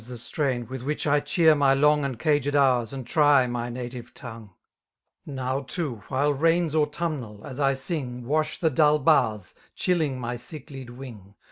the strain^ with which I cheer my long And paged hours^ and try my native tongue* ; Now too^ \thile rains autumnal^ as I sing> Wash the duU bars, chilling my sicklied wing.